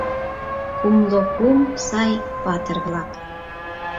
Кумло кум сай патыр-влак;